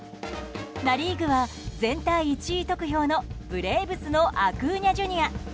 ナ・リーグは全体１位得票のブレーブスのアクーニャＪｒ．。